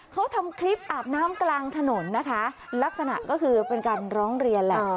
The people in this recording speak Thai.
เขาทำคลิปอาบน้ำกลางถนนนะคะลักษณะก็คือเป็นการร้องเรียนแหละ